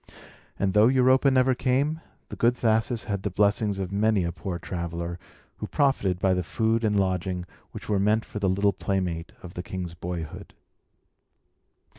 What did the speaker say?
And though Europa never came, the good Thasus had the blessings of many a poor traveller, who profited by the food and lodging which were meant for the little playmate of the king's boyhood.